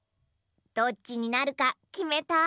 どっちになるかきめた？